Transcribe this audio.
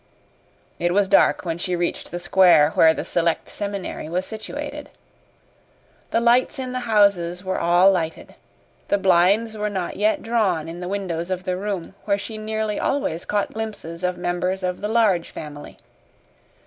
It was dark when she reached the square where the Select Seminary was situated. The lights in the houses were all lighted. The blinds were not yet drawn in the windows of the room where she nearly always caught glimpses of members of the Large Family.